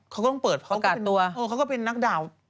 เขาก็ต้องเปิดเขาก็เป็นนักด่าว